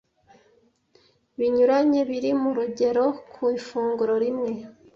binyuranye biri mu rugero ku ifunguro rimwe